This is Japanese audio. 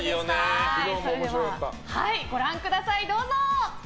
それではご覧ください。